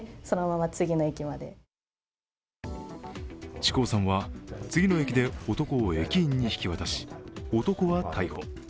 築尾さんは次の駅で男を駅員に引き渡し、男は逮捕。